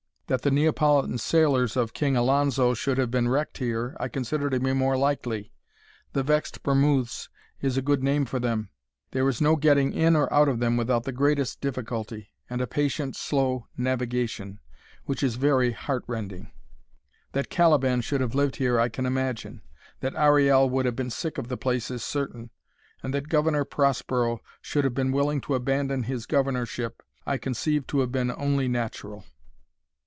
That the Neapolitan sailors of King Alonzo should have been wrecked here, I consider to be more likely. The vexed Bermoothes is a good name for them. There is no getting in or out of them without the greatest difficulty, and a patient, slow navigation, which is very heart rending. That Caliban should have lived here I can imagine; that Ariel would have been sick of the place is certain; and that Governor Prospero should have been willing to abandon his governorship, I conceive to have been only natural.